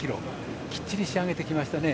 きっちり仕上げてきましたね。